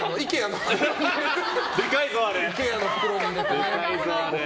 でかいぞ、あれ。